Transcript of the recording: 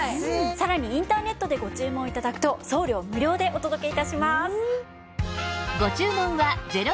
さらにインターネットでご注文頂くと送料無料でお届け致します。